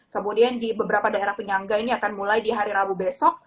kemudian di beberapa daerah penyangga ini akan mulai di hari rabu besok